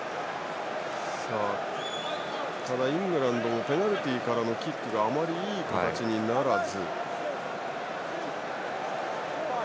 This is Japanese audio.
ただ、イングランドもペナルティーからのキックがあまりいい形にならず。